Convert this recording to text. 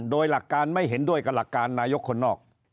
โดยหลักการไม่เห็นด้วยกับหลักการนายกคนนอก